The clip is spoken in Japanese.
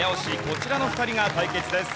こちらの２人が対決です。